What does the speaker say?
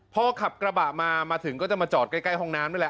พอขับกระบะมามาถึงก็จะมาจอดใกล้ห้องน้ำนี่แหละ